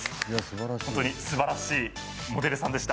本当に、すばらしいモデルさんでした。